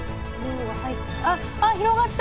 あっ広がった。